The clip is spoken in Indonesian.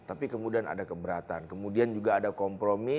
tapi kemudian ada keberatan kemudian juga ada kompromi